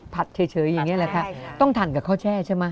อ๋อพัดเฉยอย่างนี้แหละคะต้องถั่นกับข้าวแช่ใช่ไหม